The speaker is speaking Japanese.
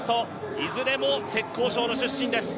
いずれも浙江省の出身です。